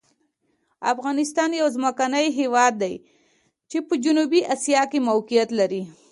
افغانستان یو ځمکني هېواد دی چې په جنوبي آسیا کې موقعیت لري.